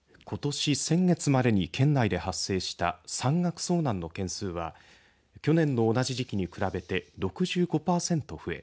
ことし先月までに県内で発生した山岳遭難の件数は去年の同じ時期に比べて６５パーセント増え